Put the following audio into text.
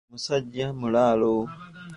Omusajja mulaalo.